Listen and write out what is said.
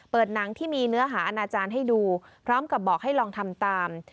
หนังที่มีเนื้อหาอนาจารย์ให้ดูพร้อมกับบอกให้ลองทำตาม